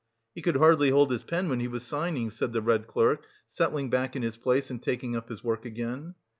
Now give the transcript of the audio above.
"He could hardly hold his pen when he was signing," said the head clerk, settling back in his place, and taking up his work again.